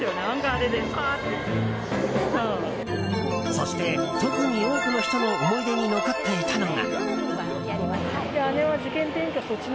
そして、特に多くの人の思い出に残っていたのが。